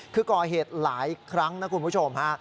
คือก่อเหตุหลายครั้งนะคุณผู้ชมฮะ